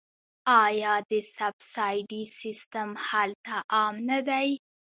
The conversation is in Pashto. آیا د سبسایډي سیستم هلته عام نه دی؟